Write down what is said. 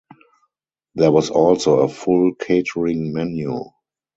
There was also a full catering menu.